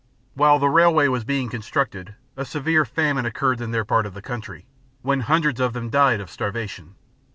While the railway was being constructed, a severe famine occurred in their part of the country, when hundreds of them died of starvation.